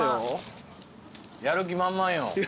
やる気満々よ。